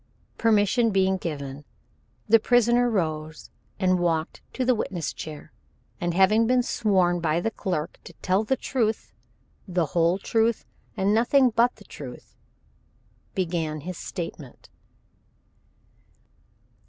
Permission being given, the prisoner rose and walked to the witness chair, and having been sworn by the clerk to tell the truth, the whole truth, and nothing but the truth, began his statement.